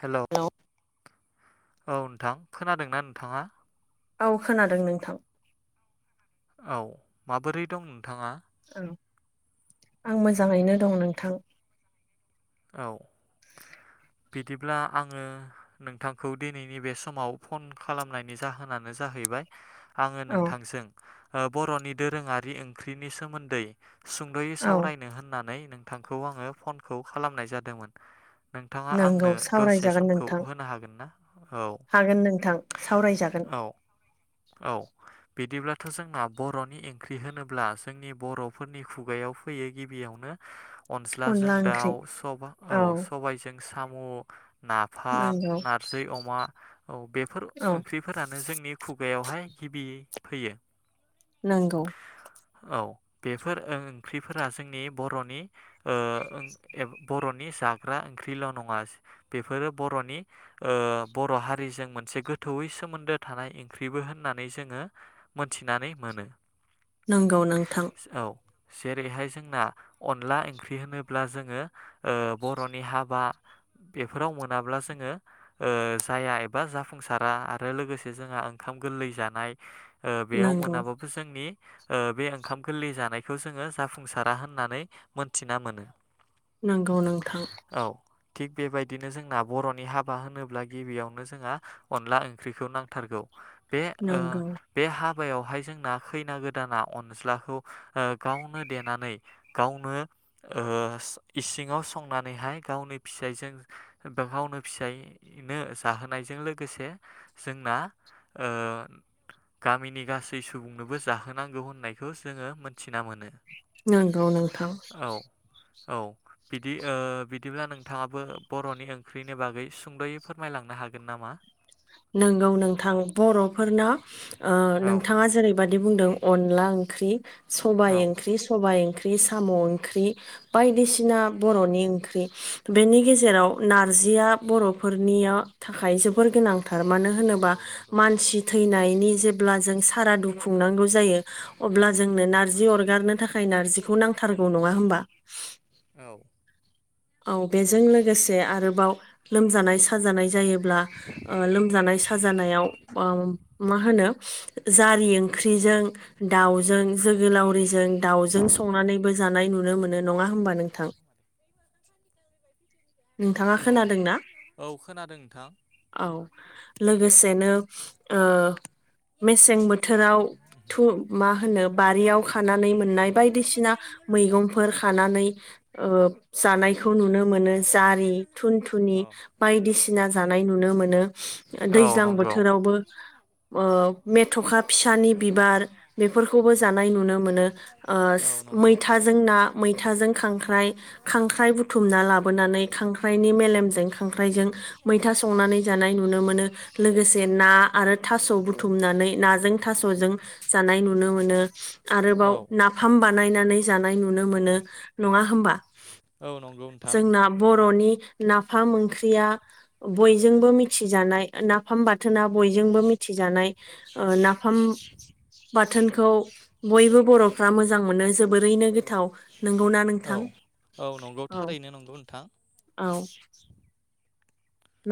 हेल' औ हेलौ नोंथां खोनादोंना नोंथाङा? औ खोनादों नोंथां। औ माबोरै दं नोंथाङा? औ आं मोजाङैनो दं नोंथां। औ बिदिब्ला आङो नोंथांखौ दिनैनि बे समाव फन खालामनायनि जाहोना नो जाहैबाय आङो औ नोंथांजों बर'नि दोरोङारि ओंख्रिनि सोमोन्दै सुंद'यै औ सावरायनो होननानै नोंथांखौ आङो फनखौ खालामनाय जादोंमोन। नोंथाङा नंगौ आंनो दसे सावरायजागोन समखौ नोंथां होनो हागोन ना? औ हागोन नोंथां सावरायजागोन। औ औ बिदिब्लाथ' जोंना बर'नि ओंख्रि होनोब्ला जोंनि बर'फोरनि खुगायाव फैयो गिबियावनो अनज्लाजों अनला ओंख्रि दाउ, सबा औ सबायजों साम' नाफाम, नंगौ नारजि अमा, औ बे फोर औ ओंख्रिफोरानो जोंनि खुगायावहाय गिबि फैयो। नोंगौ। औ बेफोर ओंख्रिफोरा जोंनि बर'नि ओ ओं ए बर' नि जाग्रा ओंख्रिल' नङा बेफोरो बरनि ओ बर' हारिजों मोनसे गो थौयै सोमोन्दो थानाय ओंख्रिबो होननानै जोङो मोनथिनानै मोनो। नोंगौ नोंथां। औ जेरैहाय जोंना अनला ओंख्रि होनोब्ला जोङो बर'नि हाबा बेफोराव मोनाब्ला जोङो ओ जाया एबा जाफुंसारा आरो लोगोसे जोंहा ओं खाम गोरलै जानाय ओ बेयाव नंगौ मोनाबाबो नि ओ बे ओंखाम गोरलै जानायखौ जोङो जाफुंसारा होननानै मोनथिना मोनो। नोंगौ नोंथां। औ थिग बेबायदिनो जोंना बर'नि हाबा होनोब्ला गिबियावनो जोंहा अनला ओंख्रिखौ नांथारगौ। बे ओ नंगौ बे हाबायावहाय जोंना खैना गोदाना अनज्लाखौ ओ गावनो देनानै गावनो ओ इसिङाव संनानैहाय गावनि फिसाइजों गावनो फिसाय नो जाहोनायजों लोगोसे जोंना ओ गामिनि गासै सुबुंनोबो जाहोनांगौ होननायखौ जोङो मोनथिना मोनो। नोंगौ नोंथां। औ औ। बिदि ओ बिदिब्ला नोंथाङाबो बर'नि ओंख्रिनि बागै सुंद'यै फोरमायलांनो हागोन नामा? नोंगौ नोंथां बर'फोरना ओ औ नोंथाङा जेरै बादि बुंदों अनला ओंख्रि सबाइ औ ओंख्रि सबाइ ओंख्रि साम' ओंख्रि बायदिसिना बर'नि ओंख्रि बेनि गेजेराव नार जिया बर'फोरनियाव थाखाय जोबोर गोनां थार। मानो होनोबा औ नंगौ मानसि थैनाय नि जेब्ला जों सारादु खुंनांगौ जायो अब्ला जोंनो नारजि अरगारनो थाखाय नारजिखौ नांथारगौ नङा होमबा? औ औ बेजों लोगोसे आरोबाव लोमजानाय साजानाय जायोब्ला ओ लोमजानाय साजानायाव अ मा होनो जारि ओंख्रिजों दावजों जोगोलावरिजों दाउजों संनानैबो जानाय नुनो मोनो नङा होमबा नोंथां? नोंथाङा औ खोनादोंना? औ खोनादों नोंथां औ लोगोसेनो ओ मेसें बोथोराव थु मा होनो बारियाव खानानै मोननाय बायदिसिना मैगंफोर खानानै ओ खौ नुनो मोन जारि थुन थुनि बायदिसिना जानाय नुनो मोनो औ दैज्लां नंगौ बोथोराव ओ मेथ'खा फिसानि बिबार बेफोरखौबो जा नाय नुनो मोनोम ओ औ नंगौ मैथाजों ना मैथाजों खांख्राइ खांख्राइ बुथुमना लाबोनानै खांख्राइनि मेलेमजों खांख्राइजों मैथा संनानै जानाय नुनो मोनो लोगोसे ना आरो थास' बुथुमनानै नाजों थास'जों जानानै नुनो आरोबाव औ नाफाम बानायनानै जानाय नुनो मोनो नङा होनबा औ नंगौ नोंथां जोंना बर'नि नाफ ओंख्रिया बयजोंबो मिानाय नाफाम बाथोना बयजोंबो मिथिजानाय ओ नाफाम बाथोनखौ बयबो बर'फ्रा मोजां मोनो जोबोरैनो गोथाव नंगौना औ नोंथां औ नंगौ औ थारैनो नंगौ नोंथां औ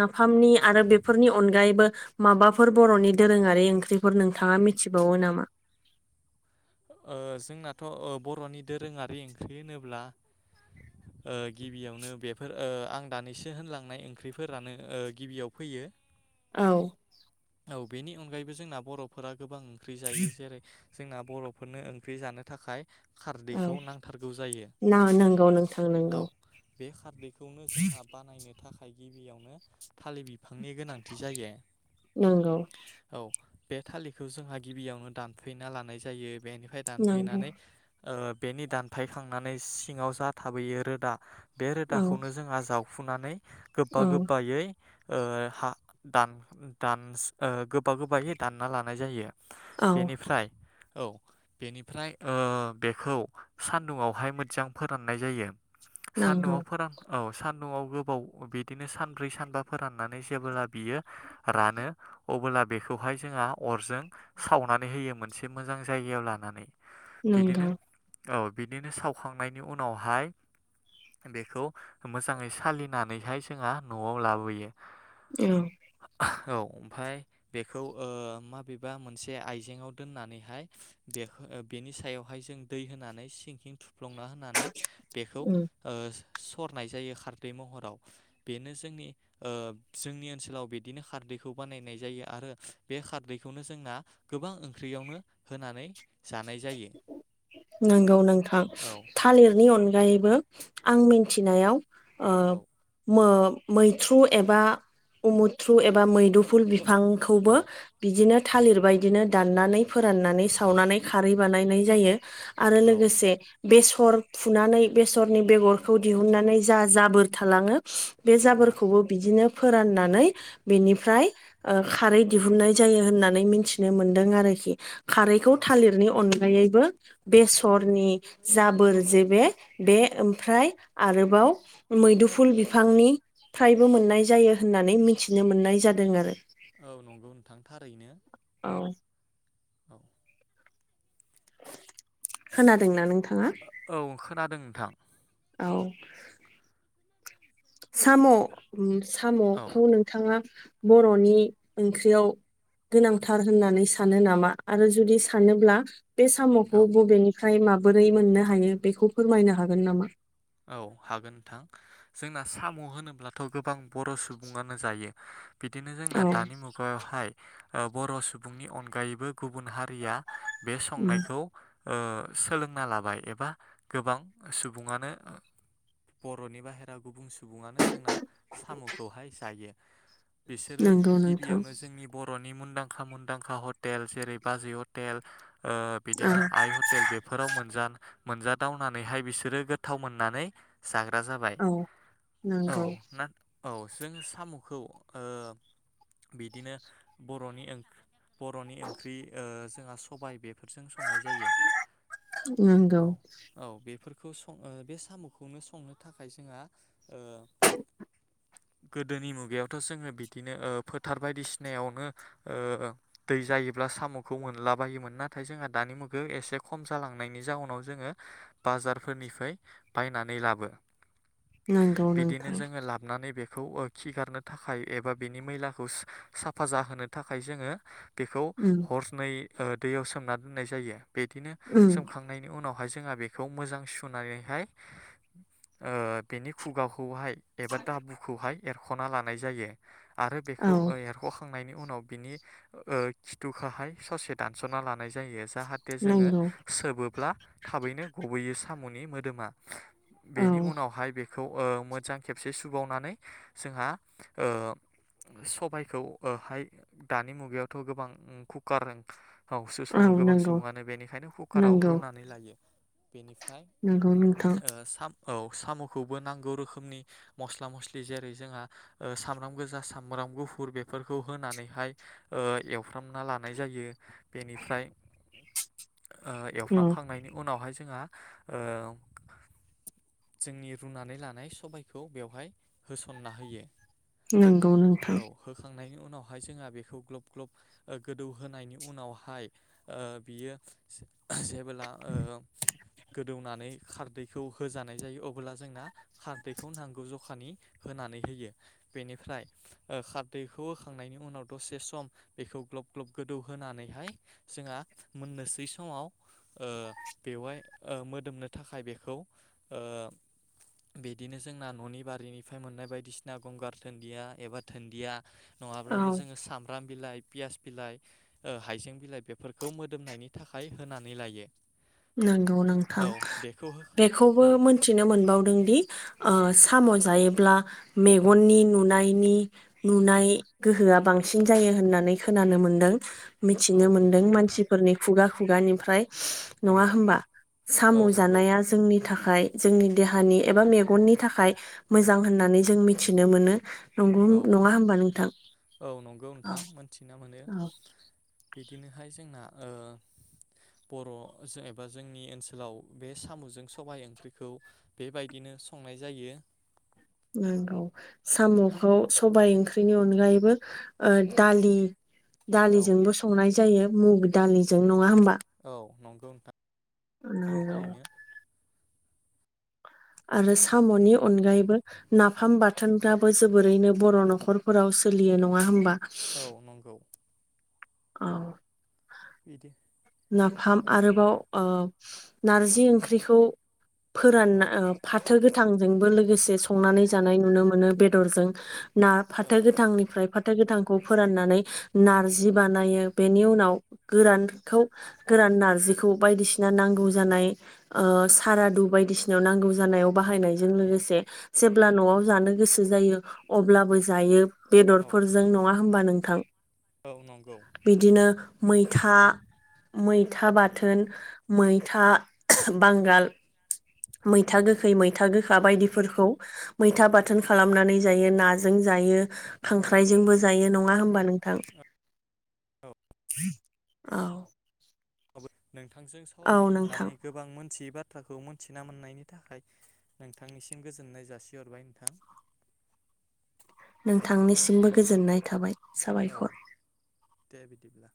नाफामनि आरो बेफोरनि अनगायैबो माबाफोर बर'नि दोरोङारि ओंख्रिफोर नोंथाङा मिथिबावो नामा ओ जोंनाथ' ओ बर'नि दोरोङारि ओंख्रि होनोब्ला ओ गिबियावनो बेफोर ओ आं दानैसो होनलांनाय ओंख्रिफोरानो गिबियाव फैयो ओ औ औ बेनि अनगायैबो जोंना बर'फोरा गोबां ओंख्रि जायो जेरै जोंना बर' फोरनो ओंख्रि जानो थाखाय औ खारदैखौ नांथारगौ जायो ना नंगौ नोंथां औ नंगौ बे खारदैखौनो जोंहा बानायनो थाखाय गिबियावनो थालिर बिफांनि गोनांथि जायो नंगौ औ बे थालिरखौ जोंहा गिबियावनो दानफैना लानाय जायो बेनिफ्राय नंगौ दानफैनानै ओ बेनि दानफायखांनानै सिङाव जा थाबोयो रोदा बे औ रोदाखौनो जोंआ जाव फुनानै गोबा औ गोबायै ओ हा दान दान गोबा गोबायै दानना लानाय जायो औ बेनिफ्राय औ बेनिफ्राय ओ बेखौ सान्दुंवहाय मोजां फोराननाय जायो नंगौ सान्दुंआव फोरान औ सान- दुंआव गोबाव बिदिनो सानब्रै सानबा फोराननानै जेबोला बियो रानो अबोला बेखौहाय जोंहा अरजों सावनानै होयो मोनसे मोजां जायगायाव लानानै नोंगौ बिदिनो औ बिदिनो सावखांनायनि उनावहाय बेखौ मोजाङै सालिनानैहाय जोंहा न'आव लाबोयो औ औ ओमफाय बेखौ माबेबा मोनसे आइजेंआव दोननानैहाय बेखौ बेनि सायावहाय जों दै होनानै सिं सिं थ फ्लंना होनानै बेखौ औ सरनाय जायो खारदै महराव बेनो जोंनि ओ जोंनि ओनसोलाव बिदिनो खारदै बिखौ बानायनाय जायो आरो बे खारदैखौनो जोंना गोबां ओंख्रियावनो होनानै जानाय जायो नंगौ नोंथां औ थालिरनि अनगायैबो आं मिथिनायाव ओ औ मो मैथ्रु एबा उमुथ्रु एबा मैदुफुल बि फांखौबो औ बिदिनो थालिर बायदिनो दाननानै फोराननानै सावनानै खारै बानायनाय जायो आरो औ लोगोसे बे स सर फुनानै बेसरनि बेगरखौ दिहुननानै जा जाबोर थालाङो बे औ जाबोरखौबो बिदिनो फोराननानै बेनिफ्राय खारै दिहुननाय जायो होननानै मिथिनो मोनदों आरो खारै औ थालिरनि अनगायैबो बेसरनि जाबोर जे बे बे ओमफ्राय आरोबाव मैदुफुल बिफांनि फ्रायबो मोननाय जायो होननानै मि मिथिनो मोननाय जादों आरो औ नंगौ नोंथां थारैनो औ औ खोनादोंना नोंथाङा थां औ साम' ओम औ साम'खौ नोंथाङा बर'नि ओंख्रियाव गोनांथार होननानै सानो नामा आरो जुदि सानोब्ला बे साम'खौ औ बबेनिफ्राय माबोरै मोननो हायो बेखौ फोरमायनो हागोन नामा औ हागोन नोंथां जोंना साम' होनोब्लाथ' गोबां बर' सुबुङानो जायो बिदिनो जोंना औ दानि मुगायावहाय ओ बर' सुबुंनि अनगायैबो गुबुन हारिया बे उम संनायखौ ओ सोलोंना लाबाय एबा गोबां सुबुङानो ओ बर'नि बाहेरायाव गुबुं सुबुङानो जोंना साम'खौहाय जायो बिसोरो नंगौ नोंथां गिबियावनो जोंनि बर'नि मुंदांखा मुंदांखा हटेल जेरै बाजै हटेल औ बिदिनो आइ हटेल बेफोराव मोनजा मोनजा दावनानैहाय बिसोरो गोथाव मोननानै जाग्रा जाबाय औ औ नंगौ ना औ जोङो साम'खौ बिदिनो बर'नि ओं बर'नि ओंख्रि ओ जोंहा सबाय बे बेफोरजों संनाय जायो नंगौ औ औ स बे साम'खौनो संनो थाखाय जोंहा ओ गोदोनि मुगायावथ' जोङो बिदिनो ओ फोथार बायदिसिनायावनो ओ दै जायो साम'खौ मोनला बायोमोन नाथाय जोंहा दानि मुगायाव एसे खम जालांनायनि जाउनाव जोङो बाजार फोरनिफ्राय बायनानै लाबो नोंगौ नोंथां खौ खिगारनो थाखाय एबा बिनि मैलाखौ साफा जाहोनो थाखाय जोङो बेखौ उम हरनै दैयाव सोमना दोननाय जायो बिदिनो उम सोमखांनायनि उनाव बेवहाय जोंहा बेखौ मोजां सुनानैहाय ओ बेनि खुगाखौहाय एबा दाबुखौहाय एरख'ना लानाय जायो आरो औ बेखौ एरख'खांनायनि उनाव बिनि ओ खिथुखौहाय ससे दानस'ना लानाय जायो जाहाथे जोङो नंगौ सोबोब्ला थाबैनो गबैयो साम'नि मोदोमा औ बेनि उनावहाय बे खौ ओ मोजां खेबसे सुबावनानै जोंहा ओ सबायखौ हाय दानि मुगायावथ' गोबां कुकार आवसो औ सङो गोबां नंगौ सुबुङानो बेनिखायनो कुकाराव नंगौ रुनानै लायो बेनिफ्राय नंगौ नोंथां ओ साम औ साम'खौबो नांगौ रोखोमनि मस्ला मस्लि जेरै जोंहा सामब्राम गोजा सामब्राम सामब्राम गुफुर बेफोरखौ होनानैहाय ओ एवफ्रामना लानाय जायो बेनिफ्राय औ एवफ्रामखांनायनि उनावहाय जोंहा ओ जोंनि रुनानै लानाय सबायखौ बेवहाय होसनना होयो नंगौ औ नोंथां होखांनायनि उनावहाय जोंहा बेखौ ग्लब ग्लब ओ गोदौ होनायनि उनावहाय ओ बियो जेबोला ओ गोदौनानै खारदैखौ होजानाय जायो अबोला जोंना खारदैखौ नांगौ जखानि होनां नानै होयो बेनिफ्राय ओ खारदैखौ होखांनायनि उनाव दसे सम बेखौ ग्लब ग्लब गोदौ होनानैहाय जोंहा मोननोसै समाव ओ बेवहाय ओ मोदोमनो थाखाय बेखौ ओ बिदिनो जोंना न'नि बारिनिफ्राय मोननाय बायदिसिना गंगार दन्दिया एबा दोनन्दिया औ नङाब्लाबो जोङो साम ब्राम बिलाइ पियास बिलाइ ओ हाइजें बिलाइ बेफोरखौ मोदोमनायनि थाखाय होनानै लायो। नंगौ नोंथां औ बेखौ हो बेखौबो औ मोनथिनो मोनबावदों दि ओ साम' जायोब्ला मेगननि नुनायनि नुनाय गोहोआ बांसिन जायो। होननानै खोनानो मोनदों औ मिथिनो मोनदों नंगौ नोंथां मानसिफोरनि खुगा खुगानिफ्राय औ नङा होमबा साम' औ नंगौ जानाया जोंनि थाखाय थाखाय जोंनि देहानि एबा मेगननि थाखाय मोजां होननानै जों मिथिनो मोनो। नंगौ औ नङा होनोमबा नोंथां औ नंगौ औ नोंथां मोनथिना मोनो औ। बिदिनोहाय जोंना ओ बर' एबा जोंनि ओनसोलाव बे साम'जों सबाय ओंख्रिखौ बेबायदिनो संनाय जायो नंगौ साम'खौ सबाय ओंख्रिनि अनगायैबो ओ दालि औ दालिजोंबो संनाय जायो मुग दालिजों नङा होमबा औ नंगौ नोंथां नों थारैनो आरो साम'नि अनगायैबो नाफाम बाथोनफ्राबो जोबोरैनो बर' न'खरफोराव सोलियो नङा होमबा औ नंगौ औ बिदि नाफाम आरोबाव ओ नारजि बिदिनो ओंख्रिखौ औ फोरानना फाथो गोथांजोंबो लोगोसे संनानै जा नाय नुनो मोनो बेदर जों ना औ फाथो गोथांफ्राय फाथो गोथांखौ फोराननानै नारजि बानायो बेनि उनाव गोरानखौ गोरान नारजिखौ बायदिसिना नांगौ जानाय ओ सारादु बायदिसिनााव नांगौ जानायाव बाहायनायजों लोगोसे जेब्ला न'आव जानो गोसो जायो अब्लाबो जायो। औ बेदरफोरजों नङा होमबा नोंथां औ नंगौ बिदिनो मैथा मैथा बाथोन मैथा बांगाल औ मैथा गोखै मैथा गो खा बायदिफोरखौ मैथा बाथोन खालामनानै जायो नाजों जायो औ खांख्राइजोंबो जायो नङा ङा होमबा नोंथां औ नोंथांजों औ सावरायनो नोंथां मोननानै गोबां मोनथियो बा बाथ्राखौ मोनथिना मोननायनि थाखाय नोंथांनिसिम गोजोननाय जासिहरबाय नोंथां नोंथांनिसिमबो गोजोननाय थाबाय साबायखर। औ दे बिदिब्ला।